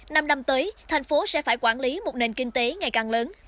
năm năm tới thành phố sẽ phải quản lý một nền kinh tế ngày càng lớn